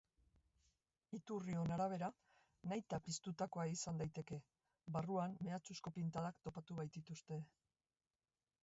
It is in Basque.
Iturrion arabera, nahita piztutakoa izan daiteke, barruan mehatxuzko pintadak topatu baitituzte.